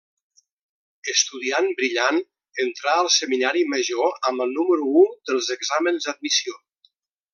Estudiant brillant, entrà al Seminari Major amb el número u dels exàmens d'admissió.